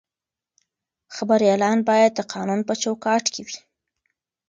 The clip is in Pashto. خبریالان باید د قانون په چوکاټ کې وي.